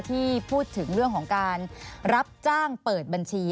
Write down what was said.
ที่พูดถึงเรื่องของการรับจ้างเปิดบัญชี